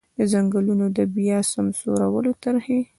د ځنګلونو د بیا سمسورولو طرحې.